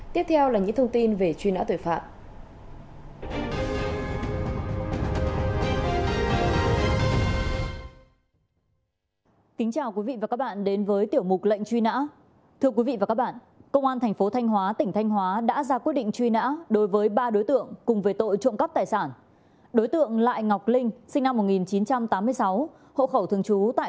tiếp theo là những thông tin về chuyên áo tuổi phạm